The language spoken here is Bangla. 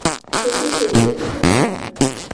শচীশের এ কী চেহারা!